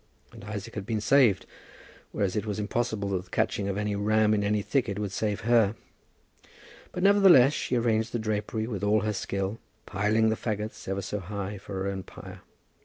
And Isaac had been saved; whereas it was impossible that the catching of any ram in any thicket could save her. But, nevertheless, she arranged the drapery with all her skill, piling the fagots ever so high for her own pyre.